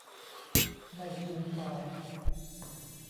ไม่ฟูมฟาย